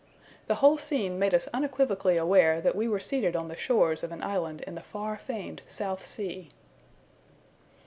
The whole scene made us unequivocally aware that we were seated on the shores of an island in the far famed South Sea.